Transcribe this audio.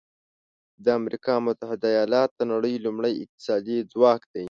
د امریکا متحده ایالات د نړۍ لومړی اقتصادي ځواک دی.